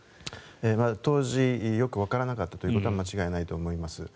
当時よくわからなかったということは間違いないと思います。